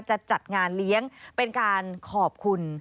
จะจัดงานเลี้ยงเป็นการขอบคุณ